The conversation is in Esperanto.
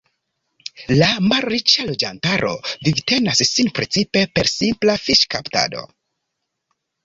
La malriĉa loĝantaro vivtenas sin precipe per simpla fiŝkaptado.